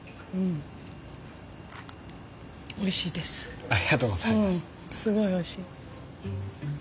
すごいおいしい。